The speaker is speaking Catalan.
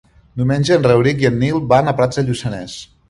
Diumenge en Rauric i en Nil van a Prats de Lluçanès.